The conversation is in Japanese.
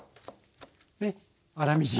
粗みじん。